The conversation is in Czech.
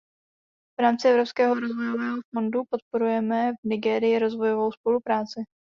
V rámci Evropského rozvojového fondu podporujeme v Nigérii rozvojovou spolupráci.